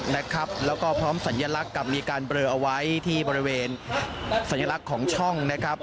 แล้วก็พร้อมสัญลักษณ์กับมีการเบลอเอาไว้ที่บริเวณสัญลักษณ์ของช่องนะครับ